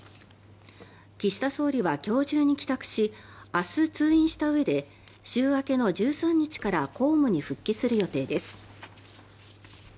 岸田総理は今日中に帰宅し明日、通院したうえで週明けの１３日から公務に復帰する予定です。